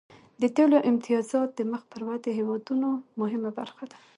د تیلو امتیازات د مخ پر ودې هیوادونو مهمه برخه ده